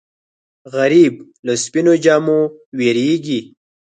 غریب له سپینو جامو وېرېږي